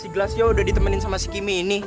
si glassio udah ditemenin sama si kimi ini